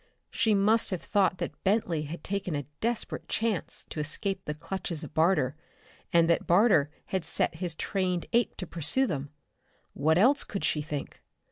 She must have thought that Bentley had taken a desperate chance to escape the clutches of Barter, and that Barter had set his trained ape to pursue them. What else could she think?